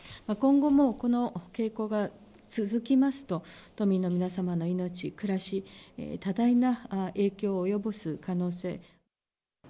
今後もこの傾向が続きますと、都民の皆様の命、暮らし、多大な影響を及ぼす可能性。